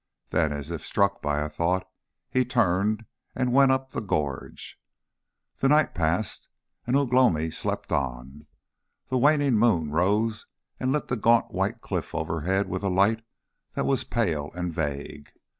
Then, as if struck by a thought, he turned, and went up the gorge.... The night passed, and Ugh lomi slept on. The waning moon rose and lit the gaunt white cliff overhead with a light that was pale and vague.